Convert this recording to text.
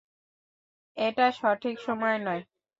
এটা সঠিক সময় নয়।